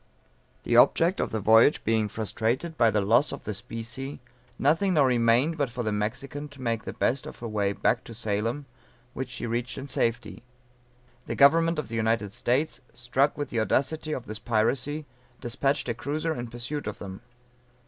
_] The object of the voyage being frustrated by the loss of the specie, nothing now remained but for the Mexican to make the best of her way back to Salem, which she reached in safety. The government of the United States struck with the audacity of this piracy, despatched a cruiser in pursuit of them.